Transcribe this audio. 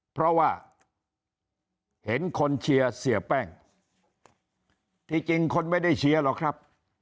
เพราะว่าเห็นคนเชียร์เสียแป้งที่จริงคนไม่ได้เชียร์หรอกครับ